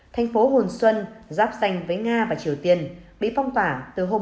thành phố hồn xuân giáp xanh với nga và triều tiên bị phong tỏa từ hôm một tháng ba